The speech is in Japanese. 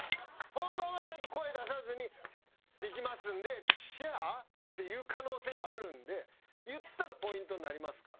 本番はちゃんと声出さずにでいきますんで「シアー？」って言う可能性があるんで言ったらポイントになりますから。